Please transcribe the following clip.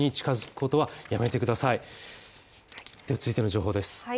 続いての情報です